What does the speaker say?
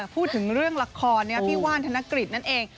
พูดถึงเรื่องลักษณ์เนี้ยที่ว่านธนกฤษนั่นเอง